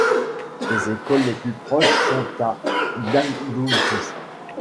Les écoles les plus proches sont à Dalhousie.